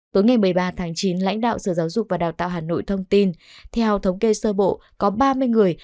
tối ngày một mươi ba tháng chín lãnh đạo sở giáo dục và đào tạo hà nội thông tin theo thống kê sơ bộ có ba mươi người